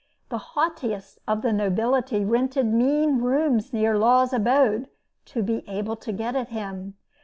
The haughtiest of the nobility rented mean rooms near Law's abode, to be able to get at him.